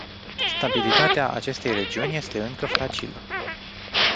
Stabilitatea acestei regiuni este încă fragilă.